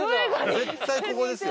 絶対ここですよ。